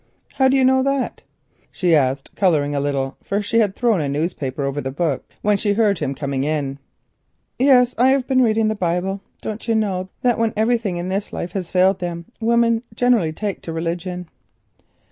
"How do you know that?" she asked, colouring a little, for she had thrown a newspaper over the book when she heard him coming in. "Yes, I have been reading the Bible. Don't you know that when everything else in life has failed them women generally take to religion?"